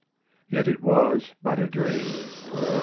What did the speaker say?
Yet it was but a dream."